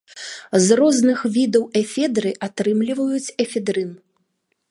З розных відаў эфедры атрымліваюць эфедрын.